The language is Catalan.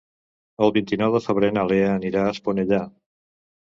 El vint-i-nou de febrer na Lea anirà a Esponellà.